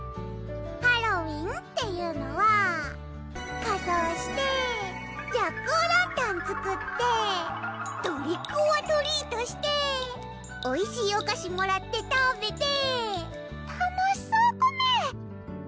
ハロウィンっていうのは仮装してジャックオーランタン作ってトリックオアトリートしておいしいお菓子もらって食べて楽しそうコメ！